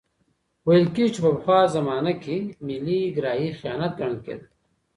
ويل کېږي چي په پخوا زمانه کي ملي ګرايي خيانت ګڼل کېده.